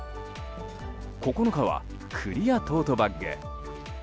９日はクリアトートバッグ。